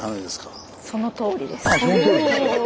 あっそのとおりですか。